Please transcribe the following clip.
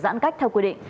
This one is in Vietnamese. giãn cách theo quy định